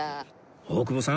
大久保さん